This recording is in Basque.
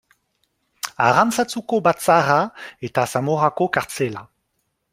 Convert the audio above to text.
Arantzazuko batzarra eta Zamorako kartzela.